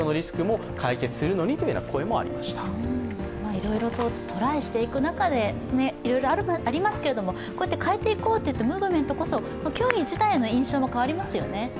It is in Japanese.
いろいろとトライしていく中でいろいろありますけれどもこうやって変えていこうというムーブメントこそ競技自体の印象も変わりますよね。